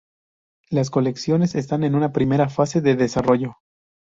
Las colecciones están en una primera fase de desarrollo.